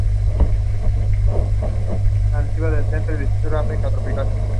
He has also produced several other artists from his Southern California Studio.